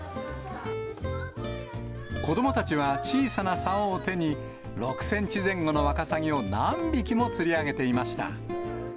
子どもたちは小さなさおを手に、６センチ前後のワカサギを何匹も釣り上げていました。